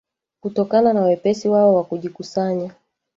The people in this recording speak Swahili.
kutokana na wepesi wao wa kujikusanya